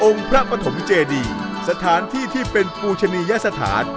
พระปฐมเจดีสถานที่ที่เป็นปูชนียสถาน